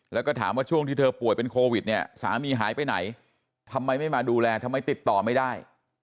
แล้วก็ถามว่าช่วงที่เธอป่วยเป็นโควิดเนี่ยสามีหายไปไหนทำไมไม่มาดูแลทำไมติดต่อไม่ได้